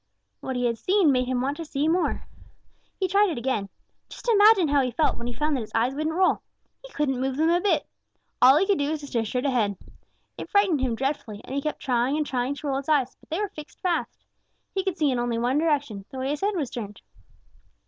What he had seen made him want to see more. He tried it again. Just imagine how he felt when he found that his eyes wouldn't roll. He couldn't move them a bit. All he could do was to stare straight ahead. It frightened him dreadfully, and he kept trying and trying to roll his eyes, but they were fixed fast. He could see in only one direction, the way his head was turned.